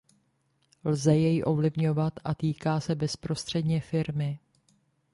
Lze jej ovlivňovat a týká se bezprostředně firmy.